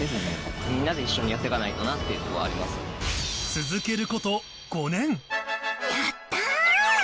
続けること５年やった！